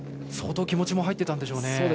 相当、気持ちも入ってたんでしょうね。